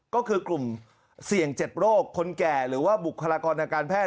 ก็คือกลุ่มเสี่ยง๗โรคคนแก่หรือว่าบุคลากรทางการแพทย